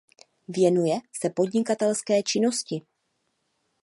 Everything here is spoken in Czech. Věnuje se podnikatelské činnosti.